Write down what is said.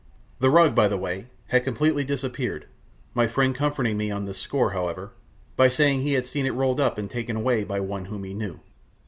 The rug, by the way, had completely disappeared, my friend comforting me on this score, however, by saying he had seen it rolled up and taken away by one whom he knew.